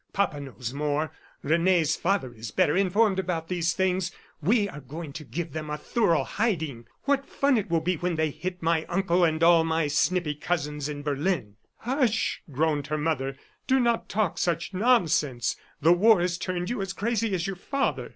Papa knows more; Rene's father is better informed about these things. We are going to give them a thorough hiding! What fun it will be when they hit my uncle and all my snippy cousins in Berlin! ..." "Hush," groaned her mother. "Do not talk such nonsense. The war has turned you as crazy as your father."